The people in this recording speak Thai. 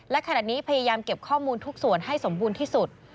และขณะนี้พยายามเก็บข้อมูลทุกส่วนให้สมบูรณ์ที่สุด